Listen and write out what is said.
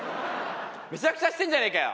めちゃくちゃしてんじゃねえかよ。